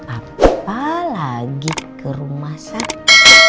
apa lagi ke rumah sakit